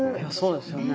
そうですよね。